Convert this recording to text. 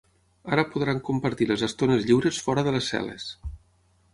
Ara podran compartir les estones lliures fora de les cel·les.